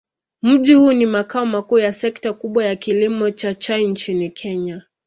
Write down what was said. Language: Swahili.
Mji huu ni makao makuu ya sekta kubwa ya kilimo cha chai nchini Kenya.